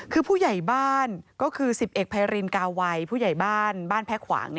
คือผู้ใหญ่บ้านก็คือสิบเอกภัยรินกาไวผู้ใหญ่บ้านบ้านแพ้ขวาง